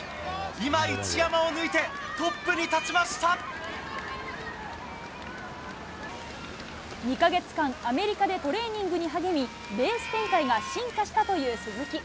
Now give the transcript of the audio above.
今、一山を抜いて、トップに立ち２か月間、アメリカでトレーニングに励み、レース展開が進化したという鈴木。